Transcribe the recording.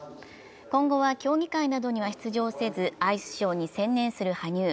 今後は競技会などには出場せず、アイスショーに専念する羽生。